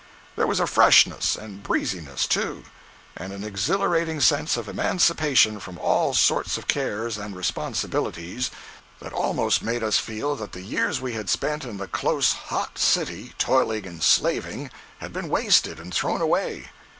There was a freshness and breeziness, too, and an exhilarating sense of emancipation from all sorts of cares and responsibilities, that almost made us feel that the years we had spent in the close, hot city, toiling and slaving, had been wasted and thrown away.